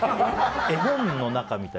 絵本の中みたい。